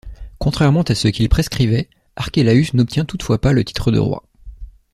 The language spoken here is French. Contrairement à ce qu'il prescrivait, Archélaüs n'obtient toutefois pas le titre de roi.